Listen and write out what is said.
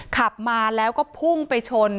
ขับมาแล้วก็พุ่งไปชน